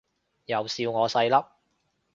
又笑我細粒